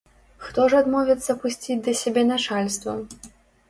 Хто ж адмовіцца пусціць да сябе начальства?